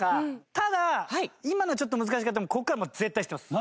ただ今のはちょっと難しいでもここからは絶対知ってます。